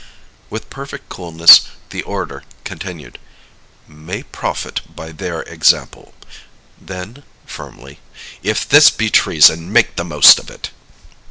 With perfect coolness the orator continued: "may profit by their example." Then, firmly: "If this be treason, make the most of it!"